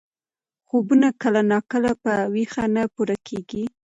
خوبونه کله ناکله په ویښه نه پوره کېږي.